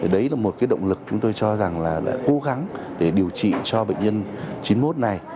đấy là một động lực chúng tôi cho rằng là cố gắng để điều trị cho bệnh nhân chín mươi một này